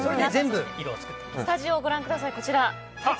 スタジオをご覧ください。